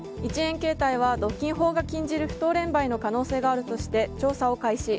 携帯は独禁法が禁じる不当廉売の可能性があるとして調査を開始。